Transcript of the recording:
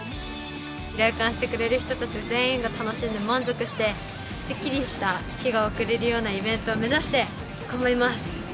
来館してくれる人たち全員が楽しんで満足してスッキリした日が送れるようなイベントを目指して頑張ります！